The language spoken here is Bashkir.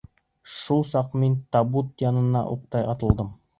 Шул саҡ мин табут янына уҡтай атылдым.